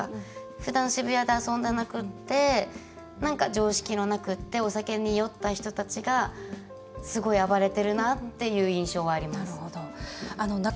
ふだん渋谷で遊んでなくって常識がなくてお酒に酔った人たちがすごい暴れてるなという印象があります。